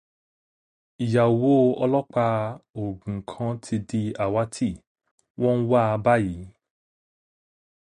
Ìyàwó ọlọ́pàá Ògùn kan ti di àwátì, wọ́n ń wáa báyìí